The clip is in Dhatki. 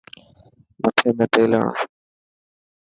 مٿي ۾ تيل هڻ.